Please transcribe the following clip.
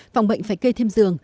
phòng bệnh phải cây thêm giường